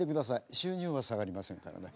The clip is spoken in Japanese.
収入は下がりませんからね。